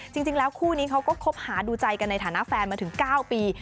จริงแล้วคู่นี้เขาก็คบหาดูใจกันในฐานะแฟนมาถึง๙ปี